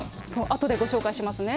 あとでご紹介しますね。